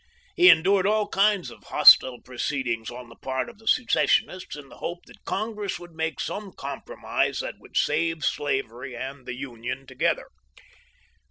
He endured all kinds of hostile proceedings on the part of the secessionists, in the hope that Congress would make some compromise that would save slavery and the Union together.